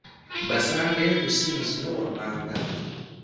Basange ku ssimu zino wammanga.